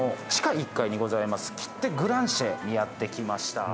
キッテグランシェにやって来ました。